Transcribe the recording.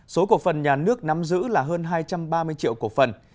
số cổ phần nhà nước nắm giữ là hơn hai trăm ba mươi triệu cổ phần